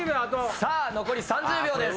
さぁ残り１０秒です。